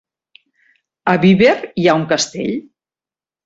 A Viver hi ha un castell?